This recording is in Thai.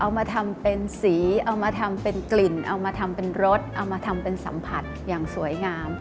เอามาทำเป็นสีเอามาทำเป็นกลิ่นเอามาทำเป็นรสเอามาทำเป็นสัมผัสอย่างสวยงาม